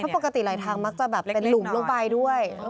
ปกติหลายทางมักจะแบบเป็นหลุมลงไปด้วย